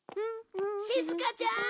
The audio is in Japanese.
しずかちゃーん！